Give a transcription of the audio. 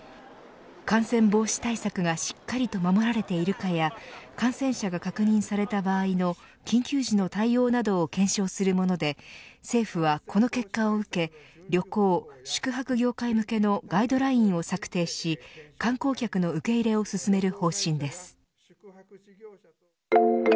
感染防止対策がしっかりと守られているかや感染者が確認された場合の緊急時の対応などを検証するもので政府はこの結果を受け旅行、宿泊業界向けのガイドラインを策定し観光客の受け入れを進める方針です。